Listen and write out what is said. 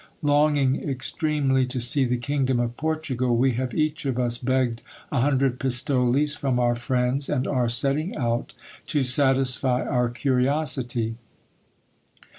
Longing extremely to see the kingdom of Portugal, we have each of us begged a hundred pistoles from our friends, md are setting out to satisfy our curiosity.